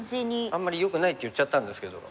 あんまりよくないって言っちゃったんですけど。